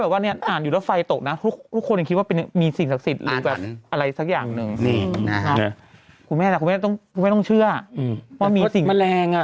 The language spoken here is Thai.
โหพยายามอ่านให้ตื่นเต้นแล้วแต่ว่ามันคือแมลง